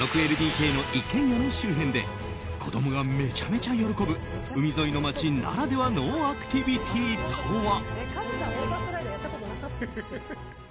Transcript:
６ＬＤＫの一軒家の周辺で子供がめちゃめちゃ喜ぶ海沿いの街ならではのアクティビティーとは？